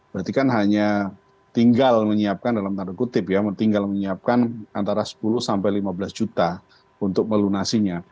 berarti kan hanya tinggal menyiapkan dalam tanda kutip ya tinggal menyiapkan antara sepuluh sampai lima belas juta untuk melunasinya